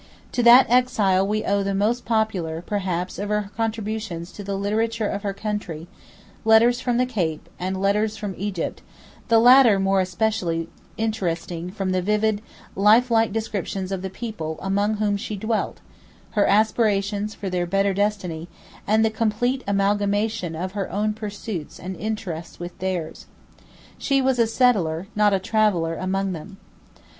To that exile we owe the most popular, perhaps, of her contributions to the literature of her country, "Letters from the Cape," and "Letters from Egypt," the latter more especially interesting from the vivid, life like descriptions of the people among whom she dwelt, her aspirations for their better destiny, and the complete amalgamation of her own pursuits and interests with theirs. She was a settler, not a traveller among them.